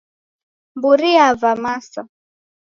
Mburi yava masa.